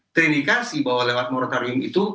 terindikasi bahwa lewat moratorium itu